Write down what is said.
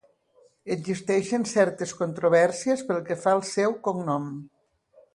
Existeixen certes controvèrsies pel que fa al seu cognom.